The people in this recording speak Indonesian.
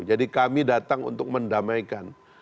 jadi kami datang untuk mendamaikan